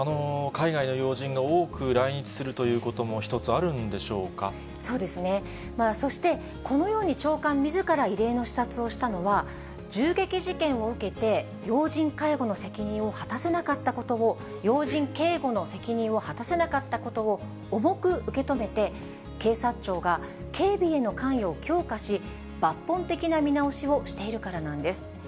海外の要人が多く来日するとそうですね、そしてこのように長官みずから異例の視察をしたのは、銃撃事件を受けて、要人警護の責任を果たせなかったことを、要人警護の責任を果たせなかったことを重く受け止めて、警察庁が警備への関与を強化し、抜本的な見直しをしているからなんです。